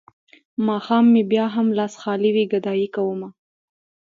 ماښام مې بيا هم لاس خالي وي ګدايي کومه.